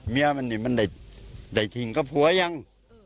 เมียมันนี่มันได้ทิ้งกับผัวยัง